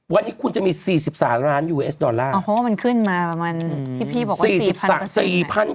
วันนี้คุณจะมี๔๓ล้านดอลลาร์โอ้โหมันขึ้นมาประมาณที่พี่บอกว่า๔๐๐๐เปอร์เซ็นต์ไหม